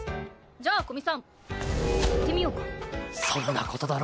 じゃあ古見さん行ってみようか。